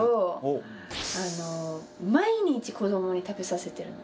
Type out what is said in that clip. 毎日子どもに食べさせてるの。